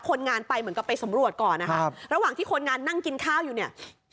คนงานไปเหมือนกับไปสำรวจก่อนนะครับระหว่างที่คนงานนั่งกินข้าวอยู่เนี่ย